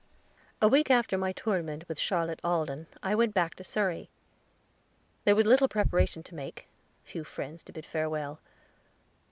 A week after my tournament with Charlotte Alden I went back to Surrey. There was little preparation to make few friends to bid farewell.